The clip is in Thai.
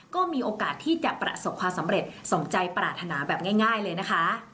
ก็มีโอกาสที่จะประสบความสำเร็จสมใจปรารถนาแบบง่ายเลยนะคะ